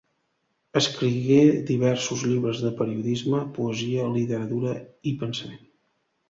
Escrigué diversos llibres de periodisme, poesia, literatura i pensament.